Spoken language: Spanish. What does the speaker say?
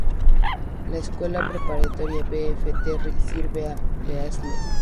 La Escuela Preparatoria B. F. Terry sirve a Beasley.